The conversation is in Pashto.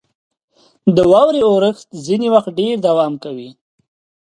• د واورې اورښت ځینې وخت ډېر دوام کوي.